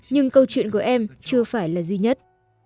nhưng câu chuyện của em chưa phải là duy nhất